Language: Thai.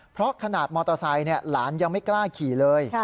เพราะขนาดมอเตอร์ไซค์หลานยังไม่กล้าขี่เลย